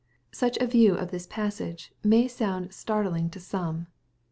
Such a view of this passage may sound startling to some.